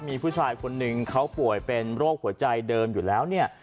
มีผู้ชายคนหนึ่งเขาป่วยเป็นโรคหัวใจเดิมอยู่แล้วเนี่ย